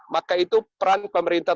maka itu peran pemerintah